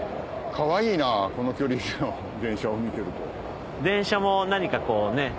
かわいいなこの距離で電車を見てると。